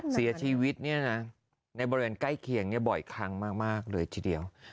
เสียชีวิตในบริเวณใกล้เคียงบ่อยครั้งมากเลยทีเดียว